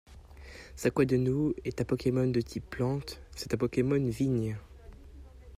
Saquedeneu est un Pokémon de type plante, c'est un Pokémon vigne.